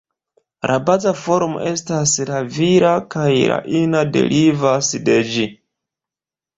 La baza formo estas la vira, kaj la ina derivas de ĝi.